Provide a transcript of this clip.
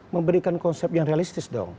memberikan konsep yang realistis dong